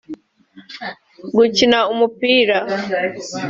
gukina umupira